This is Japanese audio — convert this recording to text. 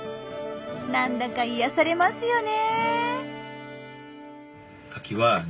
なんだか癒やされますよね。